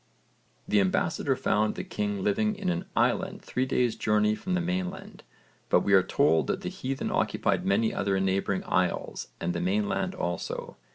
The ambassador found the king living in an island three days' journey from the mainland, but we are told that the heathen occupied many other neighbouring isles and the mainland also.